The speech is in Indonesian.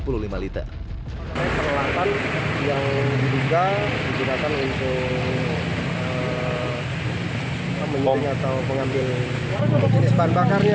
pengelakan yang diduga digunakan untuk mengambil jenis bahan bakarnya